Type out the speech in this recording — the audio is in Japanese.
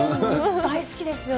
大好きですよね。